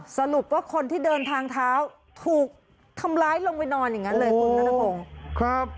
สรุปว่าคนที่เดินทางเท้าถูกทำร้ายลงไปนอนอย่างนั้นเลยคุณนัทพงศ์